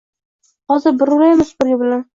Hozir bir uraymi supurgi bilan.